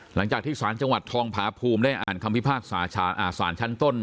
หลังจากที่ศูนย์จังหวัดทองพพูมได้อ่านความวิธีภาคศูนย์ชั้นต้น